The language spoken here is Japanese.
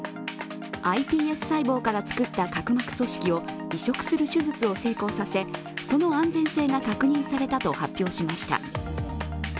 ｉＰＳ細胞から作った角膜組織を移植する手術を成功させ、その安全性が確認されたと発表しました。